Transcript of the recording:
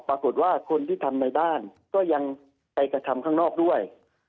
ปรากฏว่าคนที่ทำในบ้านก็ยังไปกระทำข้างนอกด้วย